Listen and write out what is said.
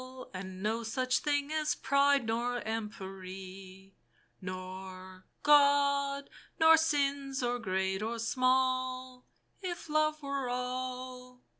And no such thing as Pride nor Empery, Nor, God, nor sins or great or small, If Love were all